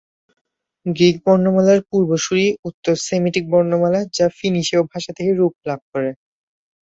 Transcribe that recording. Greek বর্ণমালার পূর্বসূরি উত্তর সেমিটিক বর্ণমালা যা ফিনিশীয় ভাষা থেকে রূপ লাভ করে।